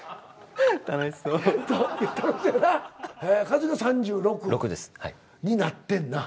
勝地が３６になってんな？